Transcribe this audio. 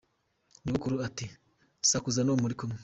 Nyogokuru ati “Sakuza n’uwo muri kumwe.